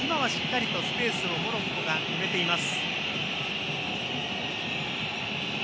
スペースをモロッコが埋めています。